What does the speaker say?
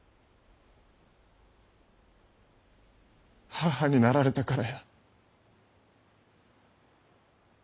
母になられたからや！